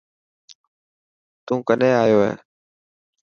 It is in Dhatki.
تون ڪڏهن آيو هي.